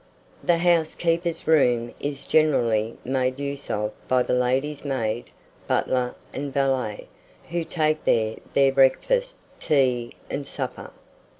The housekeeper's room is generally made use of by the lady's maid, butler, and valet, who take there their breakfast, tea, and supper.